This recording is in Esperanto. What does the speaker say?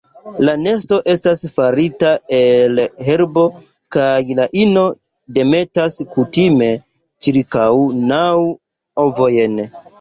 La nesto estas farita el herbo kaj la ino demetas kutime ĉirkaŭ naŭ ovojn.